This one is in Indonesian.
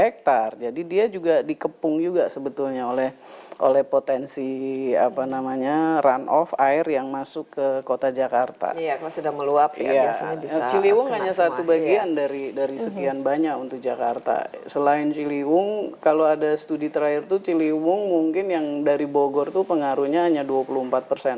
ciliwung hanya satu bagian dari sekian banyak untuk jakarta selain ciliwung kalau ada studi terakhir itu ciliwung mungkin yang dari bogor itu pengaruhnya hanya dua puluh empat persen